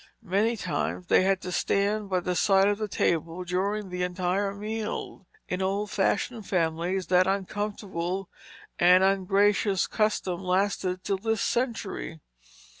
Many times they had to stand by the side of the table during the entire meal; in old fashioned families that uncomfortable and ungracious custom lasted till this century.